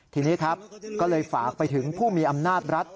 ทีนี้ครับก็เลยฝากไปถึงผู้มีอำนาจรัฐ